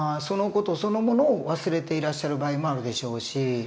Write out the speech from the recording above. その事そのものを忘れていらっしゃる場合もあるでしょうし。